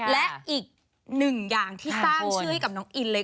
และอีกหนึ่งอย่างที่สร้างชื่อให้กับน้องอินเลย